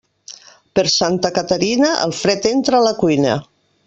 Per Santa Caterina, el fred entra a la cuina.